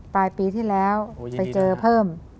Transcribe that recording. ปลายปีที่แล้วไปเจอเพิ่ม